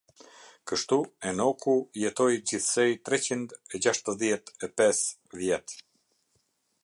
Kështu Enoku jetoi gjithsej treqind e gjashtëdhjetë e pesë vjet.